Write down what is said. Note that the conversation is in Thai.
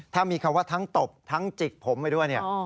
ถ้ามีคำว่าทั้งตบทั้งจิกผมไปด้วยเนี่ย